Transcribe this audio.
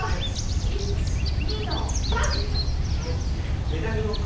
１２の３！